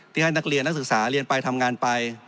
ให้นักเรียนนักศึกษาเรียนไปทำงานไป